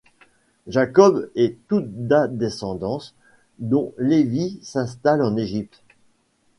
Jacob et toute da descendance, dont Lévi, s'installent en Égypte.